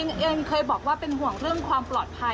ตัวคุณอู๋อิงเคยบอกว่าเป็นห่วงเรื่องความปลอดภัย